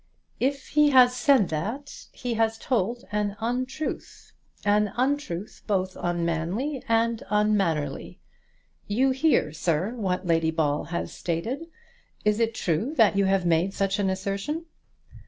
"If he has said that, he has told an untruth, an untruth both unmanly and unmannerly. You hear, sir, what Lady Ball has stated. Is it true that you have made such an assertion?"